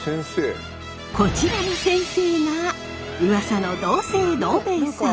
こちらの先生がウワサの同姓同名さん。